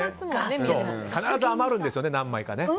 必ず余るんですよね、何枚か。